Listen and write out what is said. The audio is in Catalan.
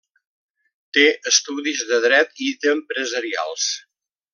Té estudis de dret i d'empresarials.